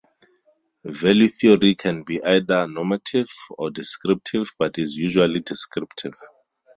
Value theory can be either normative or descriptive but is usually descriptive.